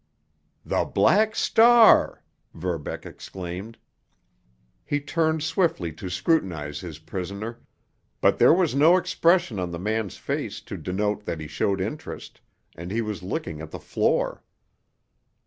"The Black Star!" Verbeck exclaimed. He turned swiftly to scrutinize his prisoner, but there was no expression on the man's face to denote that he showed interest, and he was looking at the floor.